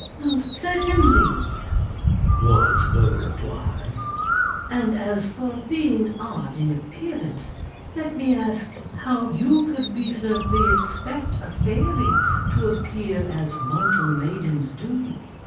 "Most certainly," was the reply. "And as for being odd in appearance, let me ask how you could reasonably expect a fairy to appear as mortal maidens do?"